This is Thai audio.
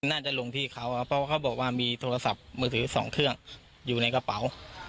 น่าจะลงที่เขาครับเพราะว่าเขาบอกว่ามีโทรศัพท์มือถือสองเครื่องอยู่ในกระเป๋า